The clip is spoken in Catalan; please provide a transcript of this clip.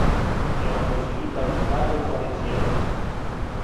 Hem aconseguit la unitat dels valencians.